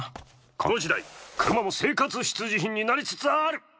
この時代・・・クルマも生活必需品になりつつある！